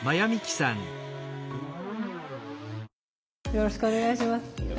よろしくお願いします。